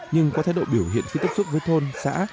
nhưng có thái độ biểu hiện khi tiếp xúc với thôn xã